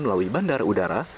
melalui bandara udara